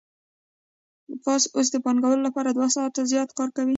یانې اوس د پانګوال لپاره دوه ساعته زیات کار کوي